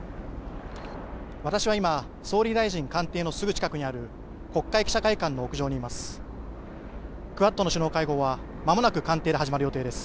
私は今、総理大臣官邸のすぐ近くにある、国会記者会館の屋上にいます。